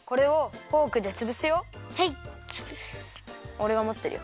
おれがもってるよ。